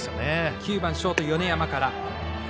９番、ショート米山から。